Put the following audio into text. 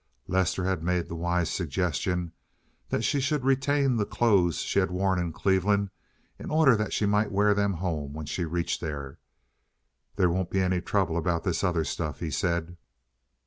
Lester had made the wise suggestion that she should retain the clothes she had worn in Cleveland in order that she might wear them home when she reached there. "There won't be any trouble about this other stuff," he said.